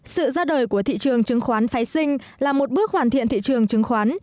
sự ra đời của thị trường chứng khoán phái sinh là một bước hoàn thiện thị trường chứng khoán